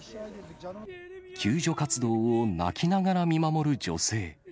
救助活動を泣きながら見守る女性。